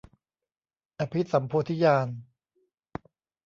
อภิสัมโพธิญาณ